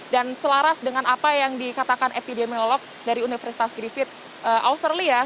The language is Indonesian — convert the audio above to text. dan selaras dengan apa yang dikatakan epidemiolog dari universitas griffith austerlian